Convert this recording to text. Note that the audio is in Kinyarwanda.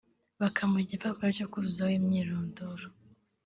bakamuha igipapuro cyo kuzuzaho imyirondoro